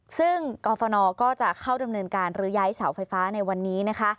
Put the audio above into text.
ซึ่งกรฟนก็จะเข้าดำเนินการหรือย้ายเสาไฟฟ้าในวันนี้นะคะ